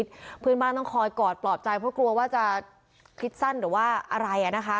เพื่อนบ้านต้องคอยกอดปลอบใจเพราะกลัวว่าจะคิดสั้นหรือว่าอะไรอ่ะนะคะ